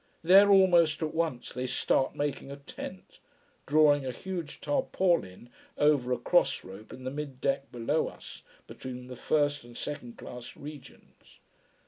There almost at once they start making a tent: drawing a huge tarpaulin over a cross rope in the mid deck below us, between the first and second class regions.